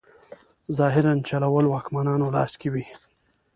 ظاهراً چلول واکمنانو لاس کې وي.